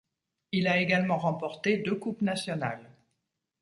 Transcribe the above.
Il a également remporté deux coupes nationales.